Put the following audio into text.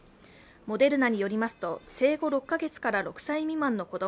モデルナによりますと、生後６カ月から６歳未満の子供